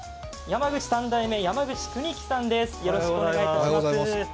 山ぐち三代目、山口邦紀さんです。